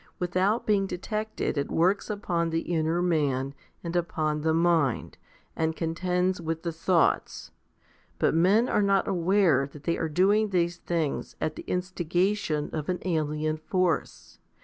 Without being detected it works upon the inner man and upon the mind, and contends with the thoughts ; but men are not aware that they are doing these things at the instigation of an alien force.